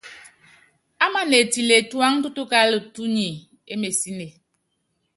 Amana etile tuáŋtutukála, túnyími émesine.